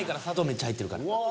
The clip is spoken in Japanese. めっちゃ入ってるから。